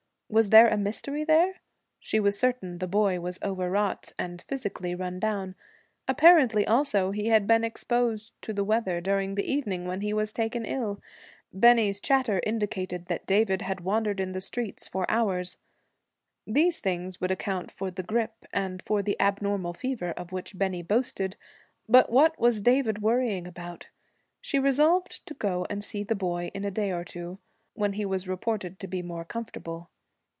Was there a mystery there? She was certain the boy was overwrought, and physically run down. Apparently, also, he had been exposed to the weather during the evening when he was taken ill; Bennie's chatter indicated that David had wandered in the streets for hours. These things would account for the grippe, and for the abnormal fever of which Bennie boasted. But what was David worrying about? She resolved to go and see the boy in a day or two, when he was reported to be more comfortable.